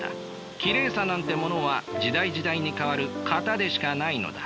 きれいさなんてものは時代時代に変わる型でしかないのだ。